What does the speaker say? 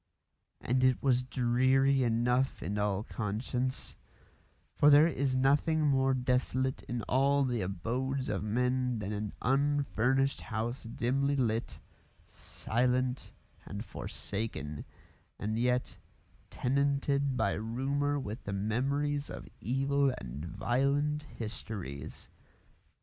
And it was dreary enough in all conscience, for there is nothing more desolate in all the abodes of men than an unfurnished house dimly lit, silent, and forsaken, and yet tenanted by rumour with the memories of evil and violent histories.